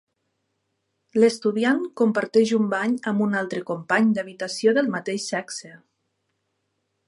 L'estudiant comparteix un bany amb un altre company d'habitació del mateix sexe.